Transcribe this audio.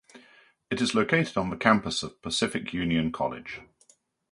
It is located on the campus of Pacific Union College.